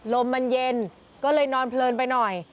ลมมันเย็นก็เลยนอนเพลินไปหน่อย